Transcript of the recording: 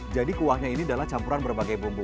jadi kuahnya ini adalah campuran berbagai bumbu